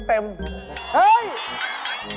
เขาไปเหรอนาน